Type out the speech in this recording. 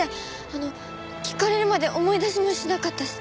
あの聞かれるまで思い出しもしなかったし。